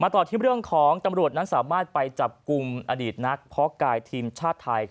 ต่อที่เรื่องของตำรวจนั้นสามารถไปจับกลุ่มอดีตนักเพาะกายทีมชาติไทย